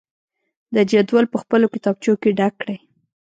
د جدول په خپلو کتابچو کې ډک کړئ.